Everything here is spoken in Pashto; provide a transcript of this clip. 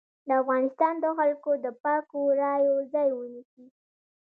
د افغانستان د خلکو د پاکو رايو ځای ونيسي.